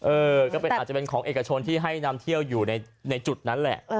เออก็อาจจะเป็นของเอกชนที่ให้นำเที่ยวอยู่ในจุดนั้นแหละ